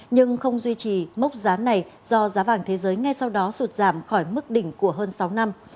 nhưng không duy trì mốc giá này do giá vàng thế giới ngay sau đó sụt giảm khỏi mức đỉnh của hơn sáu năm